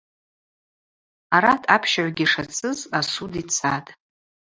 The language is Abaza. Арат апщыгӏвгьи йшацыз асуд йцатӏ.